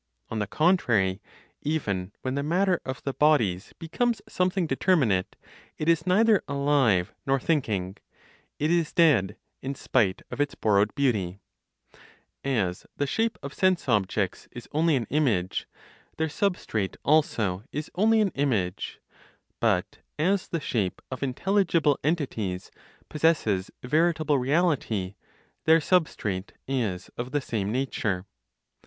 On the contrary, even when the matter of the bodies becomes something determinate, it is neither alive nor thinking; it is dead, in spite of its borrowed beauty. As the shape (of sense objects) is only an image, their substrate also is only an image. But as the shape (of intelligible entities) possesses veritable (reality), their substrate is of the same nature.